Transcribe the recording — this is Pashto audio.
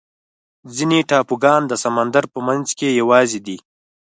ځینې ټاپوګان د سمندر په منځ کې یوازې دي.